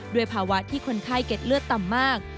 ด้วยภาวะที่คนไข้เก็ดเลือดต่ำมาก